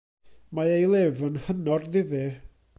Mae ei lyfr yn hynod ddifyr.